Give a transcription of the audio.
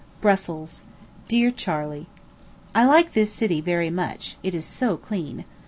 BRUSSELS. DEAR CHARLEY: I like this city very much it is so clean.